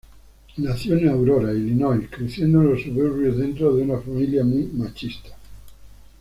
Nació en Aurora, Illinois, creciendo en los suburbios, dentro de una familia muy machista.